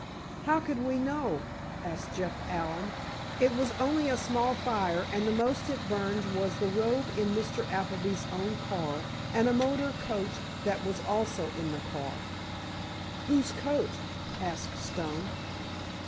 "How could we know?" asked Jeff Allen. "It was only a small fire and the most it burned was the robe in Mr. Appleby's own car and a motor coat that was also in the car." "Whose coat?" asked Stone.